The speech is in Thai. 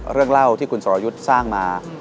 เรื่องเล่าที่คุณสรยุทธ์สร้างมา